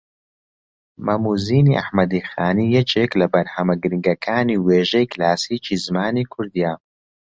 مەم و زینی ئەحمەدی خانی یەکێک لە بەرھەمە گرینگەکانی وێژەی کلاسیکی زمانی کوردییە